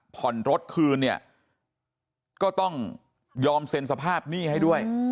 ผ่อนรถคืนเนี่ยก็ต้องยอมเซ็นสภาพหนี้ให้ด้วย